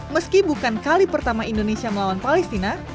meski bukan kali pertama indonesia melawan palestina